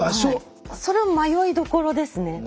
はいそれは迷いどころですね。